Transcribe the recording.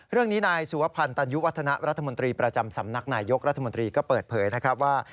เรื่องนี้นายสุวพันธ์ตันยุวัฒนะรัฐมนตรีประจำสำนักนายยกรัฐมนตรีก็เปิดเผยนะครับว่า